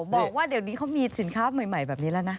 บอกว่าเดี๋ยวนี้เขามีสินค้าใหม่แบบนี้แล้วนะ